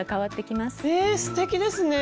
すてきですね。